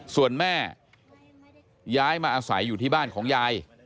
ส่วนแม่ย้ายมาอาศัยอยู่ที่บ้านของยาย